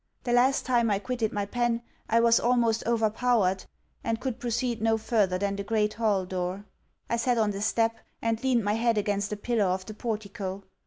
The last time I quitted my pen, I was almost overpowered, and could proceed no further than the great hall door. I sat on the step and leaned my head against a pillar of the portico.